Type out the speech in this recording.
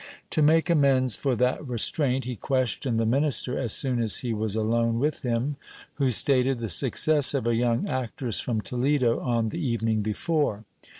To make amends for that restraint, he questioned the minister as soon as he was alone with him, who stated the success of a young actress from Toledo on the evening before.